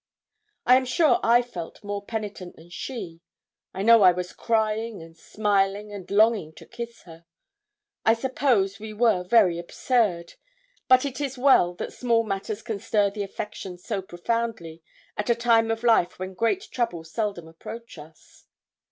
I am sure I felt more penitent than she. I know I was crying and smiling, and longing to kiss her. I suppose we were very absurd; but it is well that small matters can stir the affections so profoundly at a time of life when great troubles seldom approach us.